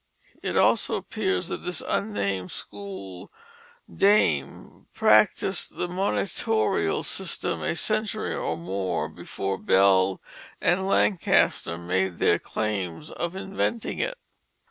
It also appears that this unnamed school dame practised the monitorial system a century or more before Bell and Lancaster made their claims of inventing it.